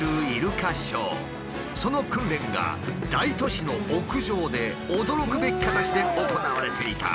その訓練が大都市の屋上で驚くべき形で行われていた。